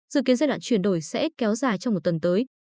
dự kiến giai đoạn chuyển đổi sẽ kéo dài trong một tuần tới